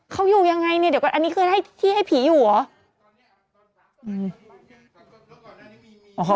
เขาอยู่ยังไงเนี่ยเดี๋ยวก่อนอันนี้คือให้ที่ให้ผีอยู่เหรอ